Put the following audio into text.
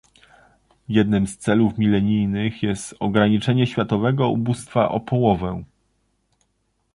Jednym z celów milenijnych jest ograniczenie światowego ubóstwa o połowę